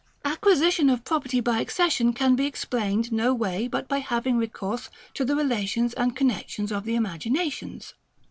Acquisition of property by accession can be explained no way but by having recourse to the relations and connexions of the imaginations.